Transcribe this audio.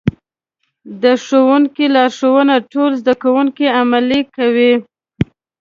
د ښوونکي لارښوونې ټول زده کوونکي عملي کوي.